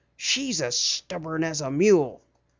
She's as stubborn as a mule."